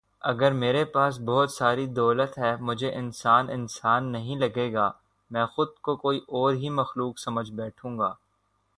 اگر میرے پاس بہت ساری دولت ہے مجھے انسان انسان نہیں لگے گا۔۔ می خود کو کوئی اور ہی مخلوق سمجھ بیٹھوں گا